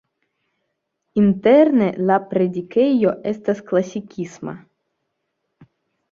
Interne la predikejo estas klasikisma.